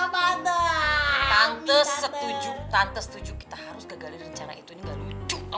tante setuju tante setuju kita harus gagalin rencana itu ini gak lucu